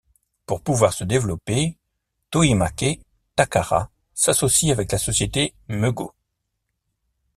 Pour pouvoir se développer, Toymake Takara s'associe avec la société Mego.